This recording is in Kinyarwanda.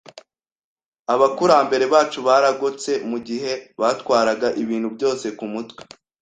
Abakurambere bacu baragotse mu gihe batwaraga ibintu byose ku mutwe,